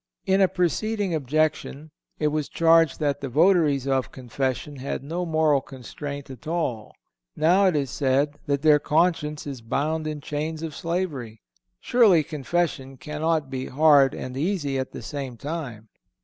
In a preceding objection it was charged that the votaries of confession had no moral constraint at all. Now it is said that their conscience is bound in chains of slavery. Surely, confession cannot be hard and easy at the same time.